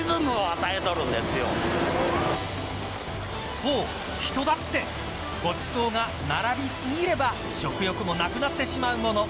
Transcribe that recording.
そう、人だってごちそうが並びすぎれば食欲もなくなってしまうもの。